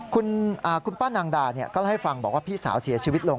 คุณป้านางดาก็เล่าให้ฟังบอกว่าพี่สาวเสียชีวิตลง